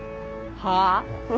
はあ？